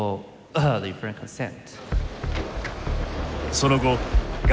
その後賀